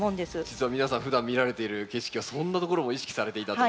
実は皆さんふだん見られている景色はそんなところも意識されていたと。